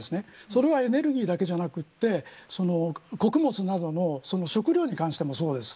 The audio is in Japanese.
それは、エネルギーだけでなく穀物などの食料に関してもそうです。